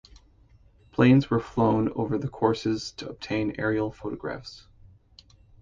Planes were flown over the courses to obtain aerial photographs.